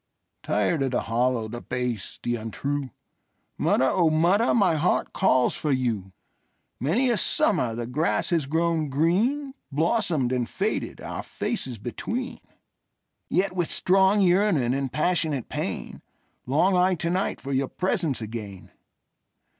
Tired of the hollow, the base, the untrue, Mother, O mother, my heart calls for you! Many a summer the grass has grown green, Blossomed and faded, our faces between:Yet, with strong yearning and passionate pain, Long I to night for your presence again.